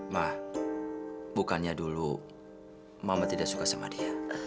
mah bukannya dulu mama tidak suka sama dia